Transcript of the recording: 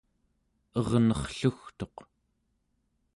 ernerrlugtuq